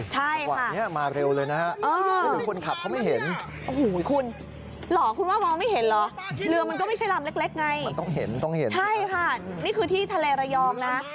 ใช่ค่ะโอ้โฮค่ะคุณว่ามองไม่เห็นเหรอเรือมันก็ไม่ใช่ลำเล็กไงใช่ค่ะนี่คือที่ทะเลรยองนะ